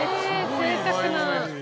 ぜいたくな。